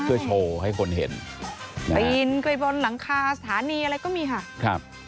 ใช่เพื่อโชว์ให้คนเห็นนะครับเอิ่นไปบนหลังคาฐานีอะไรก็มีค่ะ